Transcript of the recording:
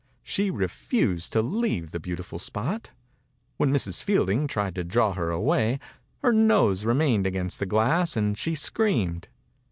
She refused to leave the beautiful «pot. When Mrs. Fielding tried to draw her away, her nose remained against the glass and she screamed.